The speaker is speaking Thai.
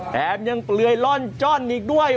แถมยังเปลือยล่อนจ้อนอีกด้วย